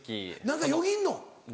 何かよぎんの？